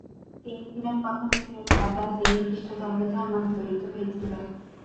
তিনি ছিলেন প্রথম ইংরেজ রাজা যিনি খ্রিস্টধর্মে ধর্মান্তরিত হয়েছিলেন।